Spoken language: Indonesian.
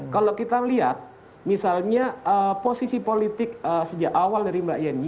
kalau kita lihat misalnya posisi politik sejak awal dari mbak yeni